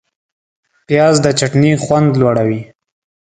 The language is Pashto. پیاز د چټني خوند لوړوي